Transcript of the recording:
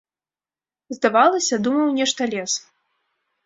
Здавалася, думаў нешта лес.